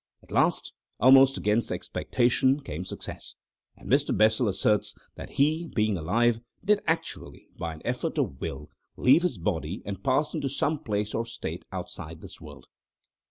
At last, almost against expectation, came success. And Mr. Bessel asserts that he, being alive, did actually, by an effort of will, leave his body and pass into some place or state outside this world.